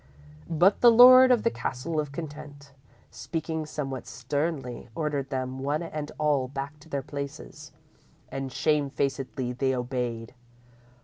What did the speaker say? _ _But the Lord of the Castle of Content, speaking somewhat sternly, ordered them one and all back to their places, and, shamefacedly, they obeyed.